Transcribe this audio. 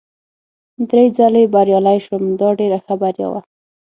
درې ځلي بریالی شوم، دا ډېره ښه بریا وه.